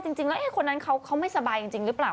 จริงแล้วคนนั้นเขาไม่สบายจริงหรือเปล่า